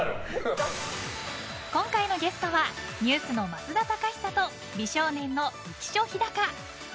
今回のゲストはＮＥＷＳの増田貴久と美少年の浮所飛貴。